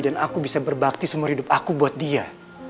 dan aku bisa berbakti semua hidup aku buat dia